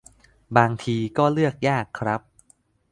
บางทีก็เลือกยากครับ